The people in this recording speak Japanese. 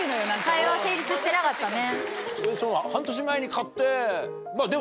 会話が成立してなかったね。